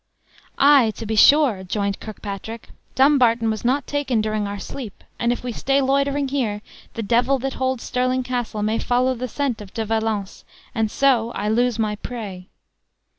"Ay, to be sure," joined Kirkpatrick; "Dumbarton was not taken during our sleep; and if we stay loitering here, the devil that holds Stirling Castle may follow the scent of De Valence; and so I lose my prey!"